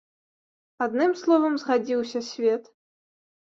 Адным словам, згадзіўся свет.